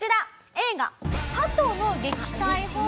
映画『鳩の撃退法』。